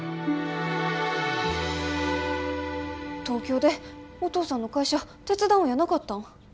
東京でお父さんの会社手伝うんやなかったん？